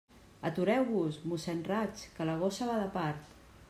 Atureu-vos, mossén Raig, que la gossa va de part.